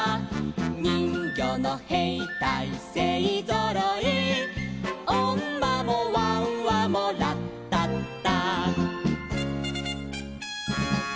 「にんぎょうのへいたいせいぞろい」「おんまもわんわもラッタッタ」